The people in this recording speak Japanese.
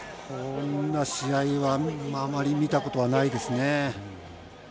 こんな試合はあまり見たことがないですね。